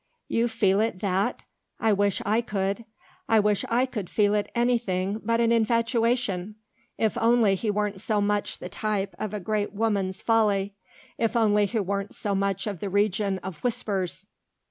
"You feel it that? I wish I could. I wish I could feel it anything but an infatuation. If only he weren't so much the type of a great woman's folly; if only he weren't so of the region of whispers.